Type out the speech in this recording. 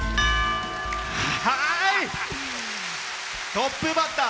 トップバッター。